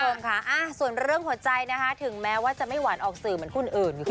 คุณผู้ชมค่ะส่วนเรื่องหัวใจนะคะถึงแม้ว่าจะไม่หวานออกสื่อเหมือนคนอื่น